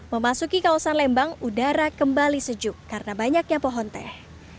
memasuki kawasan lembang udara kembali sejuk karena banyaknya pohon teh